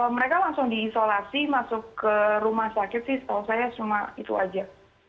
mereka langsung diisolasi masuk ke rumah sakit sih setahu saya cuma itu aja